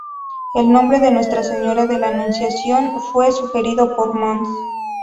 El nombre de Nuestra Señora de la Anunciación fue sugerido por mons.